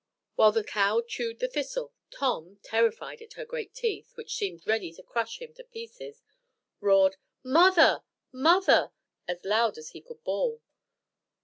While the cow chewed the thistle, Tom, terrified at her great teeth, which seemed ready to crush him to pieces, roared, "Mother, mother!" as loud as he could bawl.